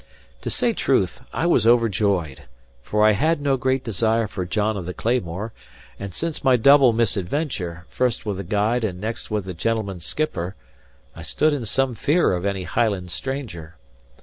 To say truth, I was overjoyed; for I had no great desire for John of the Claymore, and since my double misadventure, first with the guide and next with the gentleman skipper, I stood in some fear of any Highland stranger.